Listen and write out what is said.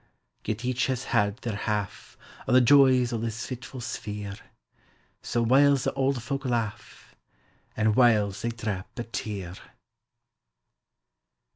Yet each has had their half O' the joys o' this fitful sphere, So, whiles the auld folk laugh, An' whiles they drap a tear!